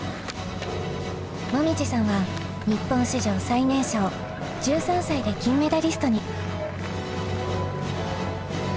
もみじさんは日本史上最年少１３歳で金メダリストに。